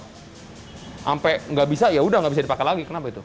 sampai nggak bisa yaudah nggak bisa dipakai lagi kenapa itu